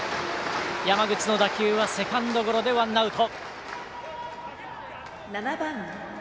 山口の打球はセカンドゴロでワンアウト。